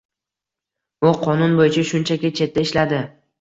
U qonun boʻyicha shunchaki chetda ishladi